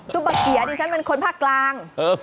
ซุปเบิกเคียร์ดิฉันเป็นคนภาคกลาง